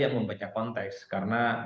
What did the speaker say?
yang mempecah konteks karena